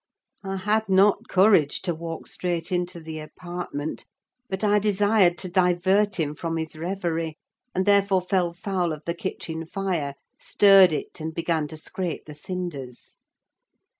I had not courage to walk straight into the apartment; but I desired to divert him from his reverie, and therefore fell foul of the kitchen fire, stirred it, and began to scrape the cinders.